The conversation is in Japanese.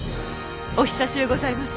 お久しゅうございます